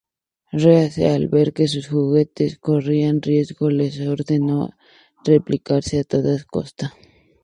Reese, al ver que sus "juguetes" corrían riesgo, les ordenó replicarse a toda costa.